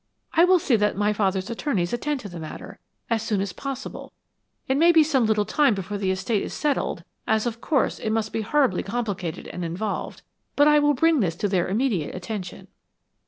I will see that my father's attorneys attend to the matter, as soon as possible. It may be some little time before the estate is settled, as of course it must be horribly complicated and involved, but I will bring this to their immediate attention."